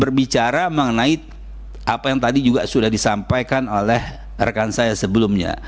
berbicara mengenai apa yang tadi juga sudah disampaikan oleh rekan saya sebelumnya